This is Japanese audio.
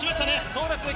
そうですね。